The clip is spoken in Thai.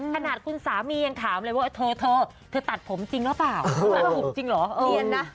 ขนาดคุณสามียังถามเลยว่าเธอเธอตัดผมจริงหรือเปล่า